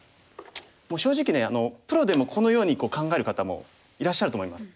もう正直ねプロでもこのように考える方もいらっしゃると思います。